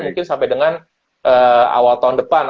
mungkin sampai dengan awal tahun depan